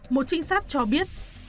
một trinh sát cho biết